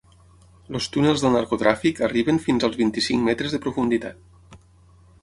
Els túnels del narcotràfic arriben fins als vint-i-cinc metres de profunditat.